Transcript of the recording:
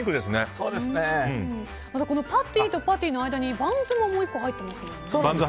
パティとパティの間にバンズももう１個入ってますね。